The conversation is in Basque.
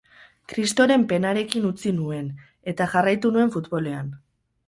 Kristoren penarekin utzi nuen, eta jarraitu nuen futbolean.